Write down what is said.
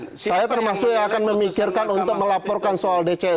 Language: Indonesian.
di dcs saya termasuk yang akan memikirkan untuk melaporkan soal dcs ini